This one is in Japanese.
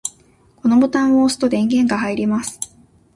このボタンを押すと電源が入ります。